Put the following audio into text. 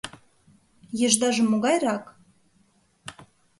— Ешдаже могайрак?